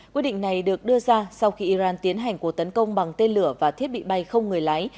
quyết định này được đưa ra sau khi iran tiến hành cuộc tấn công bằng tên lửa và thiết bị bay không người lái